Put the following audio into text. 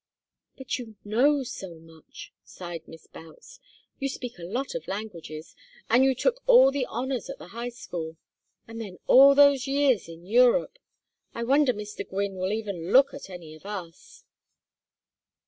"But you know so much!" sighed Miss Boutts. "You speak a lot of languages, and you took all the honors at the High School and then all those years in Europe! I wonder Mr. Gwynne will even look at any of us."